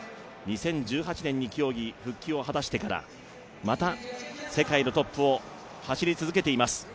２０１８年に競技復帰を果たしてからまた世界のトップを走り続けています